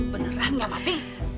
beneran ya mamping